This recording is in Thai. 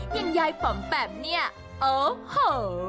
อย่างยายป๋อมแปมเนี่ยโอ้โห